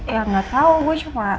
ya gak tau gue cuma